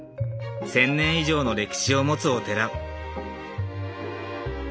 １，０００年以上の歴史を持つお寺。